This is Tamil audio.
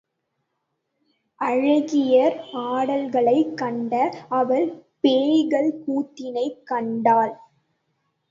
அழகியர் ஆடல்களைக் கண்ட அவள் பேய்கள் கூத்தினைக் கண்டாள்.